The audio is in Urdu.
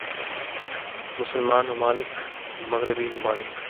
مسلمان ممالک مغربی ممالک